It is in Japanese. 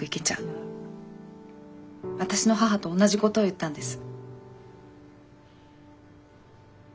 私の母と同じことを言ったんです。